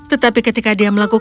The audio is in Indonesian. tetapi ketika dia melakukannya